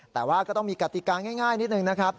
แต่ว่าก็ต้องมีกติกาง่ายนิดนึงนะครับ